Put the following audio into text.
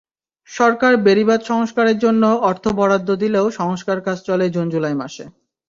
সরকার বেড়িবাঁধ সংস্কারের জন্য অর্থ বরাদ্দ দিলেও সংস্কার কাজ চলে জুন-জুলাই মাসে।